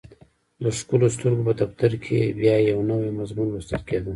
د ښکلو سترګو په دفتر کې یې بیا یو نوی مضمون لوستل کېده